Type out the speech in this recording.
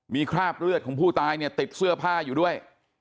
มีคราบเลือดของผู้ตายเนี่ยติดเสื้อผ้าอยู่ด้วย